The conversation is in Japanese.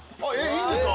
いいんですか？